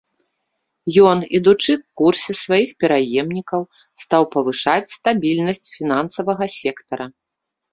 Ён, ідучы курсе сваіх пераемнікаў, стаў павышаць стабільнасць фінансавага сектара.